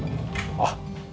あっ。